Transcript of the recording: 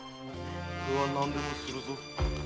俺は何でもするぞ。